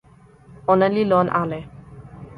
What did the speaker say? ona li lon ale.